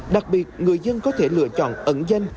đặc biệt người dân có thể lựa chọn ẩn danh